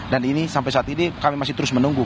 dan ini sampai saat ini kami masih terus menunggu